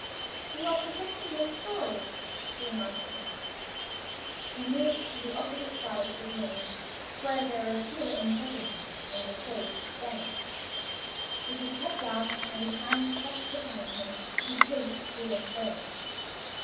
"You are forgetting your story," she reminded him. He moved to the opposite side of the room, where there were fewer impediments in the shape of furniture. With his head down, and his hands crossed behind him, he paced to and fro.